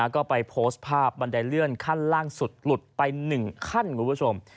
ก็ไปโพสต์ภาพบันไดเลื่อนขั้นล่างสุดหลุดไป๑ขั้นคุณผู้ชม